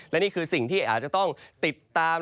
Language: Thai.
และนี่คือสิ่งที่อาจจะต้องติดตาม